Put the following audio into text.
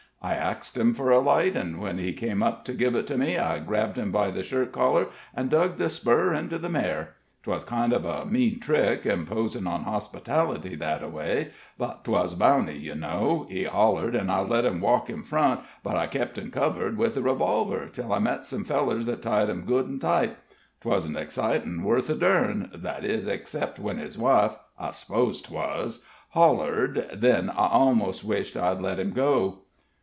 I axed him fur a light, an' when he came up to give it to me, I grabbed him by the shirt collar an' dug the spur into the mare. 'Twus kind of a mean trick, imposin' on hospitality that a way; but 'twuz Bowney, you know. He hollered, an' I let him walk in front, but I kep' him covered with the revolver till I met some fellers, that tied him good an' tight. 'Twuzn't excitin' wurth a durn that is, ixcep' when his wife I s'pose 'twuz hollered, then I a'most wished I'd let him go."